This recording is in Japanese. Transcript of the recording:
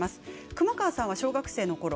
熊川さんは小学生のころ